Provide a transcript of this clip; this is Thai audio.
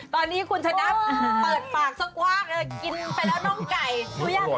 ตอนนี้คุณชนะเปิดปากสักกว้างเลยกินไปแล้วน้องไก่